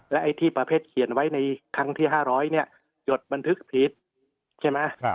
และไอ้ที่ประเภทเขียนไว้ในครั้งที่ห้าร้อยเนี้ยจดบันทึกพีทใช่ไหมครับ